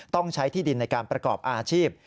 ต้องใช้ที่ดินในการประกอบอาชีพ